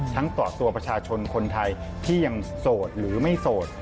ต่อตัวประชาชนคนไทยที่ยังโสดหรือไม่โสด